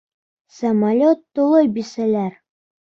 Самолет тулы бисәләр.